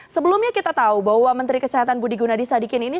sebelumnya kita tahu bahwa menteri kesehatan budi gunadisadikin ini